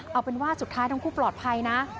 เอาเป็นว่าสุดท้ายทั้งคู่ปลอดภัยนะ